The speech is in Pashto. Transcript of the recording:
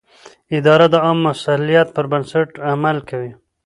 اداره د عامه مصلحت پر بنسټ عمل کوي.